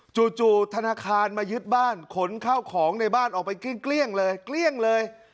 จู่ธนาคารมายึดบ้านขนข้าวของในบ้านออกไปเกลี้ยงเลยเกลี้ยงเลย